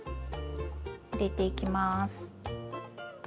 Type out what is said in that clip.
入れていきます。